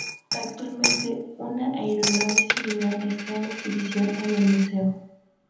Actualmente una aeronave similar está en exhibición en el Museo.